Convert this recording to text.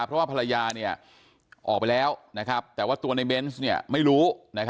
เพราะว่าภรรยาออกไปแล้วแต่ว่าตัวในเบนส์ไม่รู้